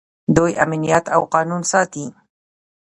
دوی امنیت او قانون ساتي.